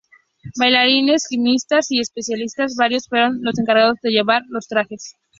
Bailarines, gimnastas y especialistas varios fueron los encargados de llevar los trajes.